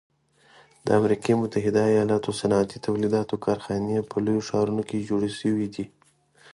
د امریکي متحده ایلاتو صنعتي تولیداتو کارخانې په لویو ښارونو کې جوړې شوي دي.